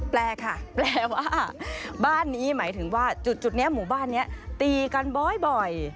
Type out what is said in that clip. แปลค่ะแปลว่าบ้านนี้หมายถึงว่าจุดนี้หมู่บ้านนี้ตีกันบ่อย